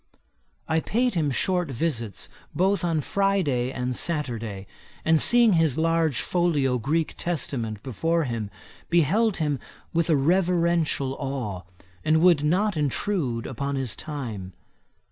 I paid him short visits both on Friday and Saturday, and seeing his large folio Greek Testament before him, beheld him with a reverential awe, and would not intrude upon his time.